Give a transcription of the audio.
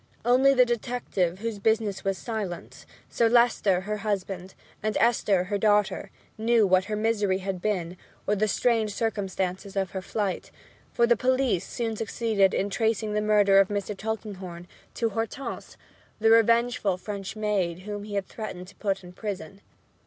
Only the detective, whose business was silence, Sir Leicester her husband, and Esther her daughter, knew what her misery had been or the strange circumstances of her flight, for the police soon succeeded in tracing the murder of Mr. Tulkinghorn to Hortense, the revengeful French maid whom he had threatened to put in prison.